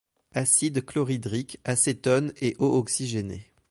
Acide chloridrique, acétone et eau oxygénée.